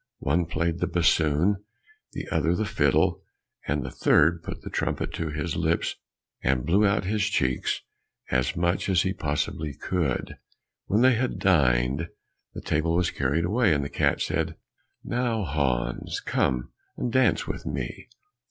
One played the bassoon, the other the fiddle, and the third put the trumpet to his lips, and blew out his cheeks as much as he possibly could. When they had dined, the table was carried away, and the cat said, "Now, Hans, come and dance with me."